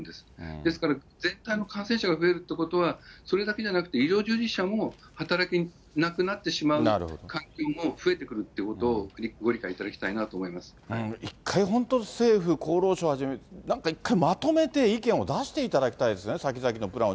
ですから、全体の感染者が増えるっていうことは、それだけじゃなく、医療従事者も働けなくなってしまう環境も増えてくるということを、ご理解いただきたいなと思一回、本当、政府、厚労省はじめ、なんか一回、まとめて意見を出していただきたいですね、先々のプランを。